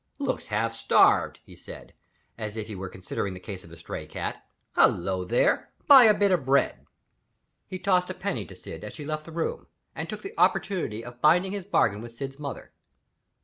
"Looks half starved," he said as if he were considering the case of a stray cat. "Hollo, there! Buy a bit of bread." He tossed a penny to Syd as she left the room; and took the opportunity of binding his bargain with Syd's mother.